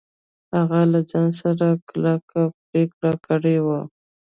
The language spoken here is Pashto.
هغه له ځان سره کلکه پرېکړه کړې وه.